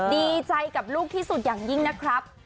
ดีใจกับลูกที่สุดอย่างยิ่งนะครับ